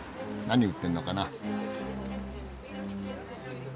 何売ってんのかな？